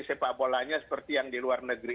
sepak bolanya seperti yang di luar negeri